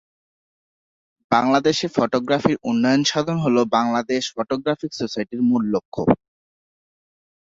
বাংলাদেশে ফটোগ্রাফির উন্নয়ন সাধন হলো বাংলাদেশ ফটোগ্রাফিক সোসাইটির মূল লক্ষ্য।